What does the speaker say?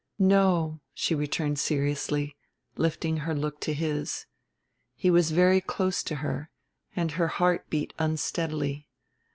"No," she returned seriously, lifting her look to his. He was very close to her and her heart beat unsteadily.